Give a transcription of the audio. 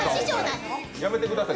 やめてください。